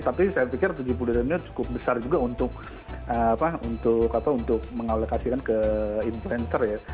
tapi saya pikir tujuh puluh dua miliar cukup besar juga untuk mengalokasikan ke influencer ya